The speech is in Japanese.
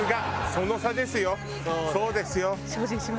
そうですよ。